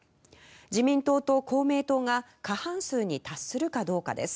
自民党と公明党が過半数に達するかどうかです。